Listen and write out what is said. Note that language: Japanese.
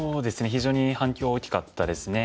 非常に反響は大きかったですね。